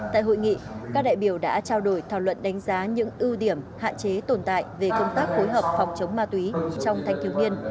tại hội nghị các đại biểu đã trao đổi thảo luận đánh giá những ưu điểm hạn chế tồn tại về công tác phối hợp phòng chống ma túy trong thanh thiếu niên